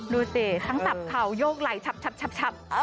ดูสิทั้งสับเข่าโยกไหล่ชับ